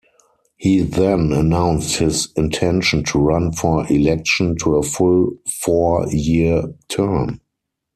He then announced his intention to run for election to a full four-year term.